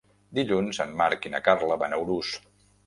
Dilluns en Marc i na Carla van a Urús.